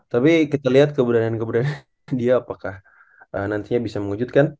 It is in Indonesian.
tapi kita lihat keberadaan kebudayaan dia apakah nantinya bisa mewujudkan